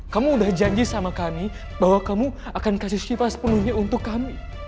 kamu udah janji sama kami bahwa kamu akan kasih sifat sepenuhnya untuk kami